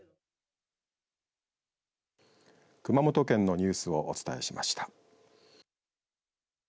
熊本県のニュースをお伝えしました。